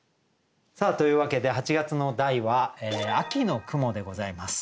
さあというわけで８月の題は「秋の雲」でございます。